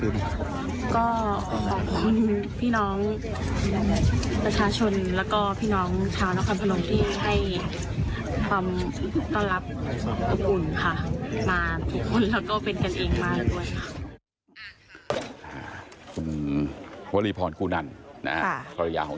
คุณพี่ก็จะถักให้ผมด้วยกันทั้งคัน